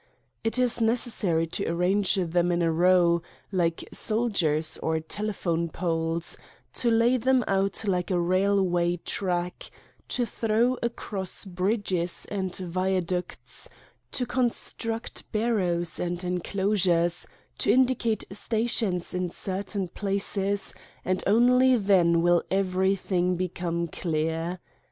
It is necessary to arrange them in a row, like sol diers or telephone poles, to lay them out like a railway track, to throw across bridges and via ducts, to construct barrows and enclosures, to indicate stations in certain places and only then will everything become clear.